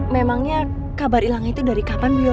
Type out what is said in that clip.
memangnya kabar hilang itu dari kapan bu yola